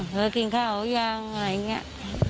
เฮ้อกินข้าวยังไหมเนี่ย